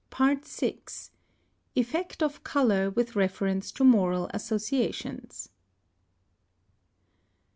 PART VI. EFFECT OF COLOUR WITH REFERENCE TO MORAL ASSOCIATIONS.